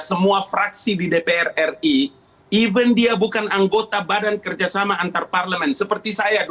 semua fraksi di dpr ri even dia bukan anggota badan kerjasama antarparlemen seperti saya dua ribu empat dua ribu sembilan